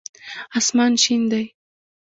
آسمان شين دی.